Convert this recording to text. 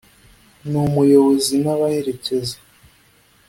ni umuyobozi n’abaherekeza